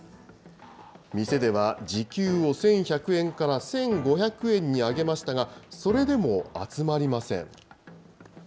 店では時給を１１００円から１５００円に上げましたが、それでも集まりません。